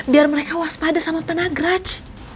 biar mereka waspada sama pak nagraj